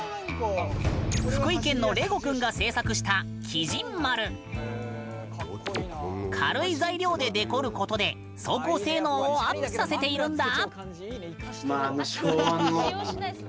福井県のれご君が制作した軽い材料でデコることで走行性能をアップさせているんだ。